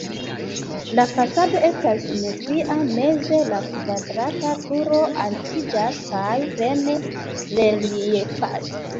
La fasado estas simetria, meze la kvadrata turo altiĝas kaj plene reliefas.